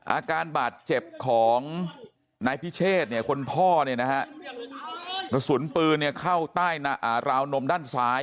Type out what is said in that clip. อาการบาดเจ็บของนายพิเชษคนพ่อปืนเข้าราวนมด้านซ้าย